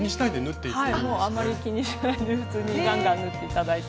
もうあんまり気にしないで普通にガンガン縫って頂いて。